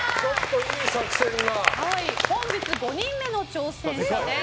本日５人目の挑戦者です。